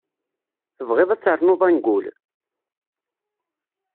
Tebɣiḍ ad ternuḍ angul?